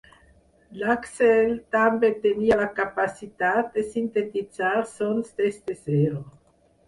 L'Acxel també tenia la capacitat de sintetitzar sons des de zero.